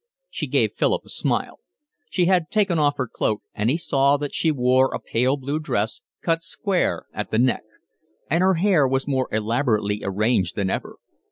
She gave Philip a smile. She had taken off her cloak; and he saw that she wore a pale blue dress, cut square at the neck; and her hair was more elaborately arranged than ever.